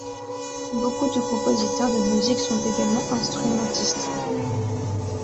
Beaucoup de compositeurs de musique sont également instrumentistes.